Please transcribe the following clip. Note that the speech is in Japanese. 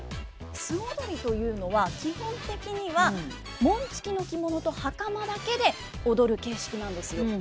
素踊りというのは基本的には紋付きの着物と袴だけで踊る形式なんですよ。